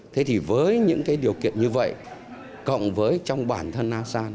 thế thì với những cái điều kiện như vậy cộng với trong bản thân asean